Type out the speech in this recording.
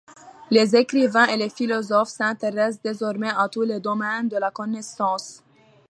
Les écrivains et les philosophes s'intéressent désormais à tous les domaines de la connaissance.